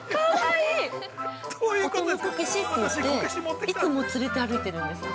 「お供こけし」っていっていつも連れて歩いてるんです、私。